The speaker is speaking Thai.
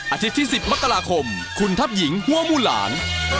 อาทิตย์ที่๑๐มักกราคมคุณทัพหญิงหัวหมู่หลาน